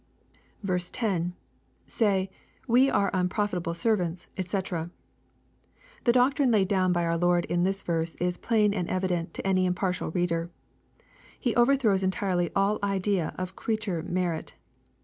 10. — [Say^ we are unprqfitahle servants, d!c.] The doctrine laid down by our Lord in this verse is plain and evident to any impartial reader. He overthrows entirely all idea of creature merit.